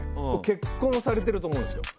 結婚されていると思うんですよ。